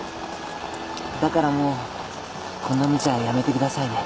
だからもうこんなむちゃはやめてくださいね。